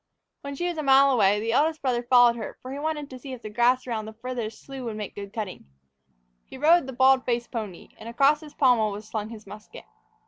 When she was a mile away, the eldest brother followed her, for he wanted to see if the grass around the farthest slough would make good cutting. He rode the bald faced pony, and across his pommel was slung his musket.